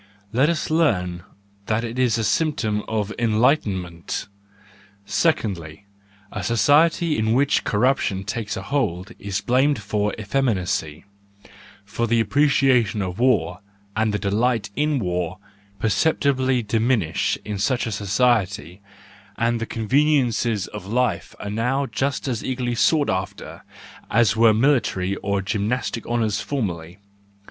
Let us learn that it is a symptom of enlightenment. —Secondly, a society in which corruption takes a hold is blamed for effeminacy: for the appreciation of war, and the delight in war perceptibly diminish in such a society, and the conveniences of life are now just as eagerly sought after as were military and gymnastic honours formerly.